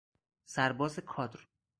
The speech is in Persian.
سرباز کادر